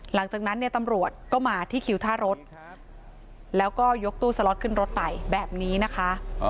หลังจากนั้นเนี่ยตำรวจก็มาที่คิวท่ารถแล้วก็ยกตู้สล็อตขึ้นรถไปแบบนี้นะคะ